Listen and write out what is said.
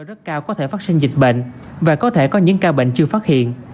rất cao có thể phát sinh dịch bệnh và có thể có những ca bệnh chưa phát hiện